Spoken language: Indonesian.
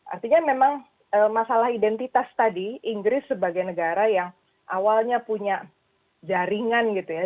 artinya memang masalah identitas tadi inggris sebagai negara yang awalnya punya jaringan gitu ya